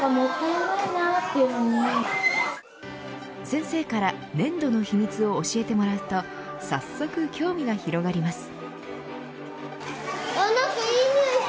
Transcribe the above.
先生から粘土の秘密を教えてもらうと早速、興味が広がります。